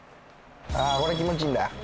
ああこれ気持ちいいな。